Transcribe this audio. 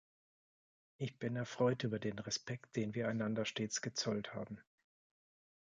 Ich bin erfreut über den Respekt, den wir einander stets gezollt haben.